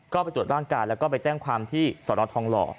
ก็ไปตรวจร่างกายแล้วก็ไปแจ้งความที่สนทองหล่อ